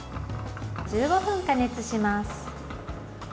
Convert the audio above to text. １５分加熱します。